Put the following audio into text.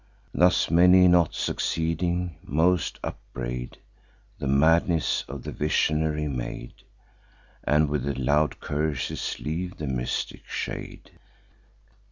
Thus, many not succeeding, most upbraid The madness of the visionary maid, And with loud curses leave the mystic shade.